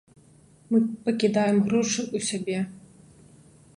Мы пакідаем грошы ў сябе.